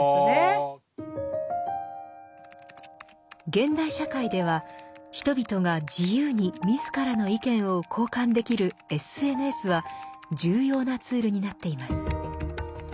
現代社会では人々が自由に自らの意見を交換できるＳＮＳは重要なツールになっています。